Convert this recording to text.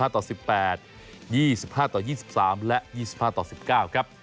ต่อ๑๘๒๕ต่อ๒๓และ๒๕ต่อ๑๙ครับ